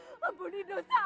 ampuni dosa anakku